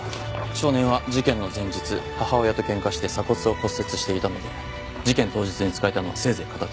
少年は事件の前日母親と喧嘩して鎖骨を骨折していたので事件当日に使えたのはせいぜい片手。